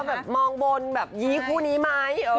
แบบมองบนแบบยี้คู่นี้ไหม